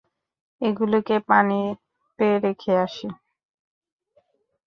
এগুলোকে পানিতে রেখে আসি।